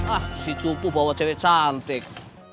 ah si cuku bawa cewek cantik